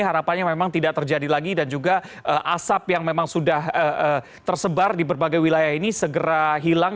harapannya memang tidak terjadi lagi dan juga asap yang memang sudah tersebar di berbagai wilayah ini segera hilang